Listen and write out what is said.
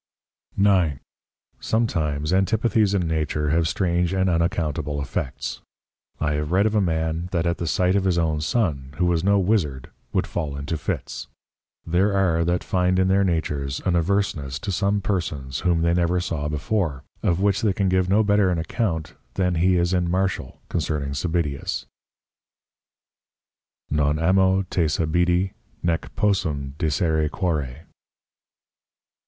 9. Sometimes Antipathies in Nature have strange and unaccountable Effects. I have read of a Man that at the sight of his own Son, who was no Wizzard would fall into Fits. There are that find in their Natures an averseness to some Persons whom they never saw before, of which they can give no better an account than he in Martial, concerning Sabidius. _Non Amo te Sabidi, nec possum dicere quare.